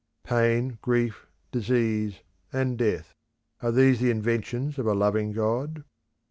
Pain, grief, disease, and death are these the inventions of a loving God?